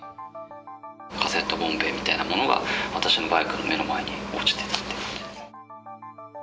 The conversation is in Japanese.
カセットボンベみたいなものが、私のバイクの目の前に落ちてたって感じです。